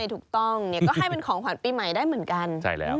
ถูกต้องเนี่ยก็ให้เป็นของขวัญปีใหม่ได้เหมือนกัน